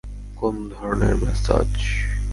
কোন ধরনের ম্যাসাজ?